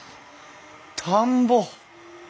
田んぼ！